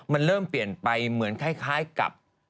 มันเริ่มเปลี่ยนไปเหมือนคล้ายกับ